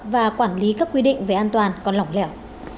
và quản lý các quy định về an toàn còn lỏng lẻo